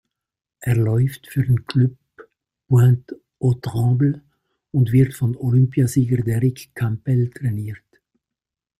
Er läuft für den Club Pointe-aux-Trembles und wird von Olympiasieger Derrick Campbell trainiert.